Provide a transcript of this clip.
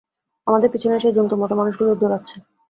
আমাদের পিছনে সেই জন্তুর মতো মানুষগুলিও দৌড়াচ্ছে।